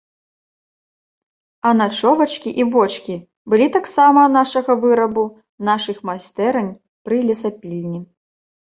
А начовачкі і бочкі былі таксама нашага вырабу, нашых майстэрань пры лесапільні.